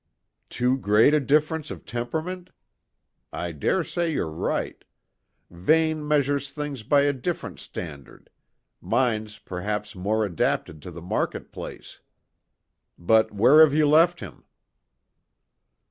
"Too great a difference of temperament? I dare say you're right. Vane measures things by a different standard mine's perhaps more adapted to the market place. But where have you left him?"